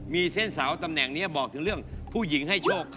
มีเส้นเสาตำแหน่งนี้บอกถึงเรื่องผู้หญิงให้โชค